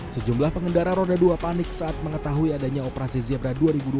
sejumlah pengendara roda dua panik saat mengetahui adanya operasi zebra dua ribu dua puluh